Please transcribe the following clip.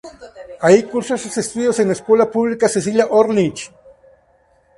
Ahí cursó sus estudios en la escuela pública Cecilia Orlich.